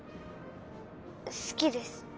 好きです。